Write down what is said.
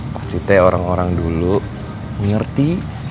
maksudnya orang orang dulu mengerti